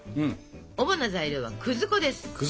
主な材料は粉です。